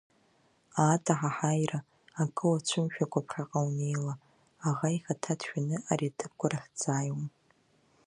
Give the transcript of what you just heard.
Аат, аҳаҳаира, акы уацәымшәакәа ԥхьаҟа унеила, аӷа ихаҭа дшәаны ари аҭыԥқәа рахь дзааиуам!